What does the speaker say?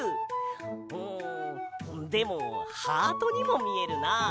うんでもハートにもみえるな。